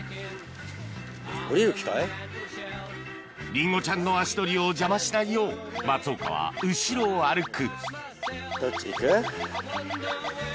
リンゴちゃんの足取りを邪魔しないよう松岡は後ろを歩く